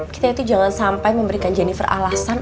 kita itu jangan sampai memberikan jennifer alasan